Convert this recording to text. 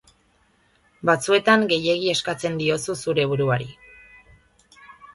Batzuetan gehiegi eskatzen diozu zure buruari.